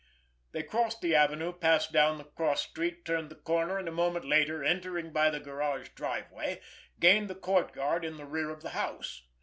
They crossed the Avenue, passed down the cross street, turned the corner, and a moment later, entering by the garage driveway, gained the courtyard in the rear of the house.